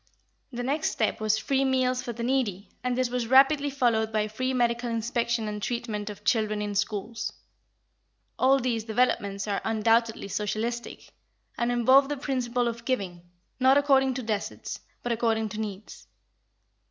The next step was free meals for the needy, and this was rapidly followed by free medical inspection and treatment of children in schools. All these developments are undoubtedly socialistic, and involve the principle of giving, not according to deserts, but according to needs.